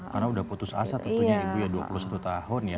karena udah putus asa tentunya ibu ya dua puluh satu tahun ya